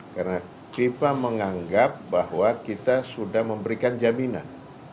karena viva menganggap bahwa kita sudah memberikan jaminan